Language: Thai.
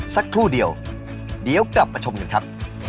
สักครู่เดียวเดี๋ยวกลับมาชมกันครับ